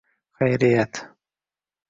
Xayriyat!